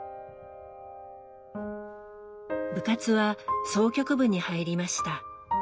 部活は箏曲部に入りました。